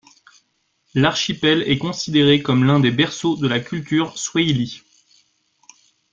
L'archipel est considéré comme l'un des berceaux de la culture swahilie.